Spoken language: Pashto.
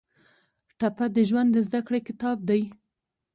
ټپه د ژوند د زده کړې کتاب دی.